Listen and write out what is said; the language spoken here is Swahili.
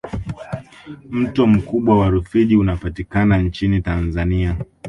mto mkubwa wa rufiji unapatika nchini tanzania